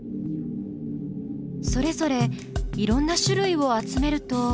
それぞれいろんな種類を集めると。